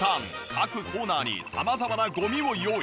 各コーナーに様々なゴミを用意。